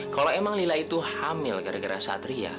kalau emang lila itu hamil gara gara satria